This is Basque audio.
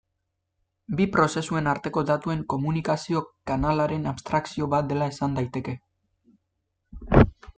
Bi prozesuen arteko datuen komunikazio-kanalaren abstrakzio bat dela esan daiteke.